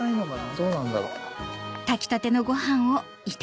どうなんだろう？